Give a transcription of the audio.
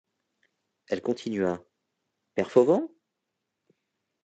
Elle continua: — Père Fauvent?